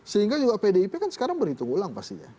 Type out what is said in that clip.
sehingga juga pdip kan sekarang berhitung ulang pastinya